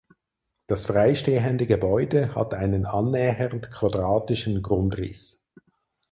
Das freistehende Gebäude hat einen annähernd quadratischen Grundriss.